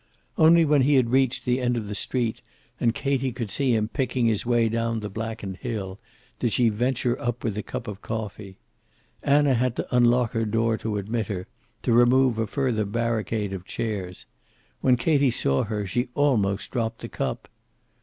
Only when he had reached the end of the street, and Katie could see him picking his way down the blackened hill, did she venture up with a cup of coffee. Anna had to unlock her door to admit her, to remove a further barricade of chairs. When Katie saw her she almost dropped the cup.